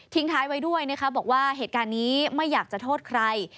ท้ายไว้ด้วยนะคะบอกว่าเหตุการณ์นี้ไม่อยากจะโทษใคร